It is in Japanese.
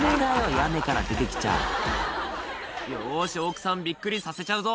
屋根から出てきちゃ「よし奥さんビックリさせちゃうぞ」